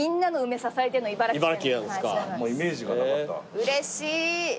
うれしい。